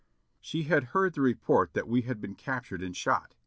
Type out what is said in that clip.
She had heard the report that we had been captured and shot.